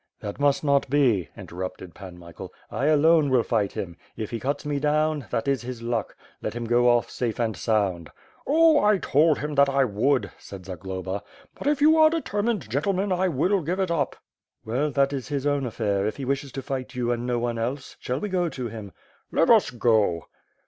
"That must not be," interrupted Pan Michael. ^% alone, will fight him. If he cuts me down, that is his luck. Let him go off safe and sound." "Oh! I told him I would," said Zagloba. "But if you are determined, gentlemen, I will give it up." "Well, that is his own affair; if he wishes to fight you and no one else. Shall we go to him?" "Let us go."